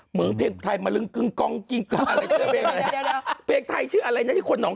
เหมือนแค่ไทยมะลึงทางกองกินอะไรตรงนี้แปลงไทยสื่ออะไรหนาที่คนน้อง